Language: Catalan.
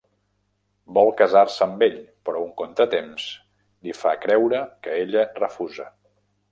Vol casar-se amb ell, però un contratemps li fa creure que ella refusa.